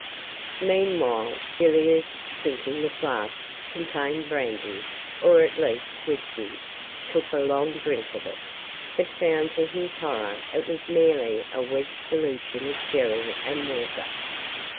Meanwhile Villiers, thinking the flask contained brandy, or at least whisky, took a long drink of it, but found to his horror it was merely a weak solution of sherry and water.